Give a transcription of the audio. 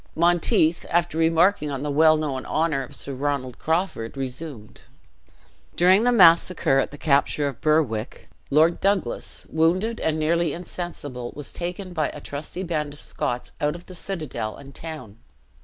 Monteith, after remarking on the well known honor of Sir Ronald Crawford, resumed. "During the massacre at the capture of Berwick, Lord Douglas, wounded, and nearly insensible, was taken by a trusty band of Scots out of the citadel and town.